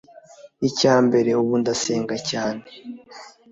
“Icya mbere ubu ndasenga cyane